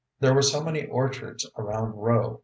There were many orchards around Rowe.